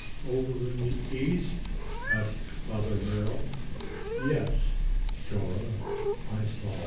"Over in the east?" asked Father Merrill. "Yes, Dora, I saw it."